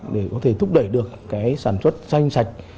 để có thể thúc đẩy được cái sản xuất xanh sạch